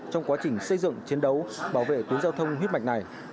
trong quá trình xây dựng chiến đấu bảo vệ tuyến giao thông huyết mạch này